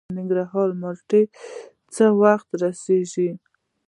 د ننګرهار مالټې څه وخت رسیږي؟